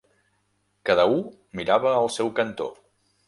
Cada u mirava al seu cantó.